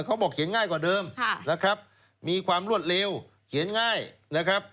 เขาบอกเขียนง่ายกว่าเดิมนะครับมีความรวดเร็วเขียนง่ายนะครับ